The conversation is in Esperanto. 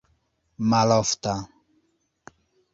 malofta